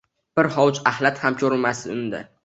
Bir hovuch ahlat ham ko’rmaysiz unda.